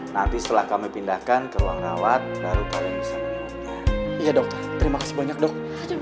nanti setelah kami pindahkan ke ruang rawat baru kalian bisa iya dokter terima kasih banyak dok